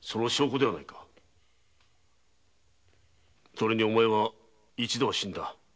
それにお前は一度は死んだ。